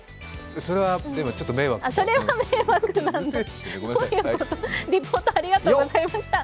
それは、でもちょっと迷惑だよ。